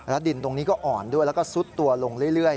ดินตรงนี้ก็อ่อนด้วยแล้วก็ซุดตัวลงเรื่อย